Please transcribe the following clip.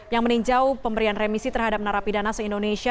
yang meninjau pemberian remisi terhadap narapidana se indonesia